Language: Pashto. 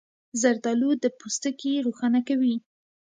زردالو د پوستکي روښانه کوي.